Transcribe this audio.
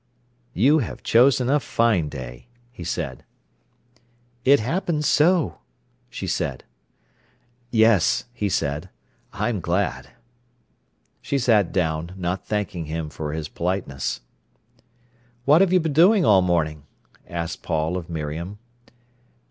"You have chosen a fine day," he said. "It happens so," she said. "Yes," he said; "I am glad." She sat down, not thanking him for his politeness. "What have you been doing all morning?" asked Paul of Miriam.